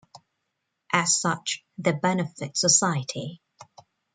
As such, they benefit society.